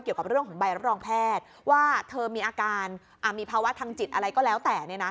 เกี่ยวกับเรื่องของใบรับรองแพทย์ว่าเธอมีอาการมีภาวะทางจิตอะไรก็แล้วแต่